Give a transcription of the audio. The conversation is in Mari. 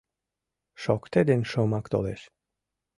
Шокте ден шомак толеш